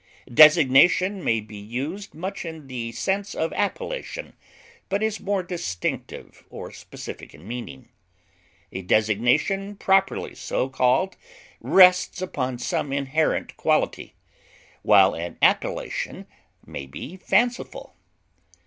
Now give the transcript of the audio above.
Designation may be used much in the sense of appellation, but is more distinctive or specific in meaning; a designation properly so called rests upon some inherent quality, while an appellation may be fanciful.